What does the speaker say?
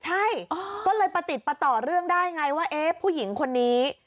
ใช่ก็เลยประติดประต่อเรื่องได้ไงว่าเอ๊ะผู้หญิงคนนี้